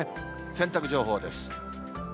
洗濯情報です。